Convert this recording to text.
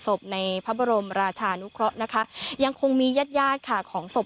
ศพในพระบรมราชานุเคราะห์นะคะยังคงมีญาติญาติค่ะของศพ